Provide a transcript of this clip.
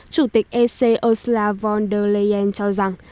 chủ tịch ec ursula von der leyen cho rằng